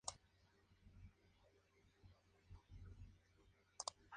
Las valiosas escrituras budistas fueron trasladados a la Biblioteca nacional de Mongolia.